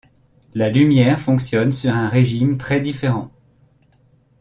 La lumière fonctionne sur un régime très différent.